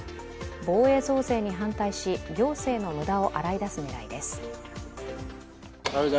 防衛増税に反対し、行政の無駄を洗い出す狙いです。